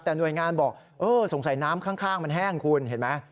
แต่หน่วยงานบอกเออสงสัยน้ำข้างมันแห้งคุณเห็นไหม